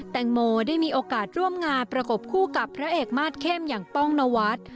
แตงโมได้มีโอกาสร่วมงานประกบคู่กับพระเอกมาสเข้มอย่างป้องนวัฒน์